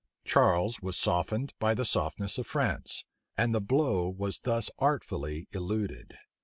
Charles was softened by the softness of France; and the blow was thus artfully eluded.